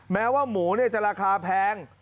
แม้ว่าหมูจะราคาแพง